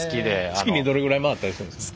月にどれぐらい回ったりするんですか？